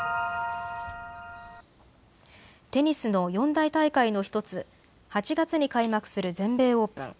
テニスの四大大会の１つ、８月に開幕する全米オープン。